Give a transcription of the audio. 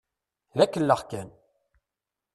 D akellex kan.